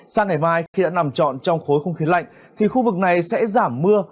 sang ngày mai khi đã nằm trọn trong khối không khí lạnh thì khu vực này sẽ giảm mưa